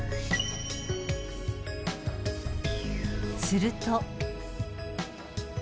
すると。